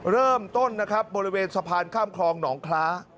เริ่มต้นนะครับบริเวณสะพานข้ามคลองหนองคล้า